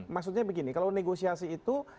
maksudnya begini kalau negosiasi itu